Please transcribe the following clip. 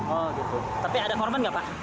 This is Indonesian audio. oh gitu tapi ada korban nggak pak